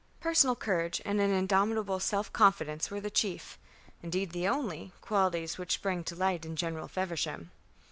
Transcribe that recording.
Personal courage and an indomitable self confidence were the chief, indeed the only, qualities which sprang to light in General Feversham.